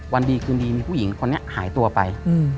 วันดีคืนดีมีผู้หญิงคนนี้หายตัวไป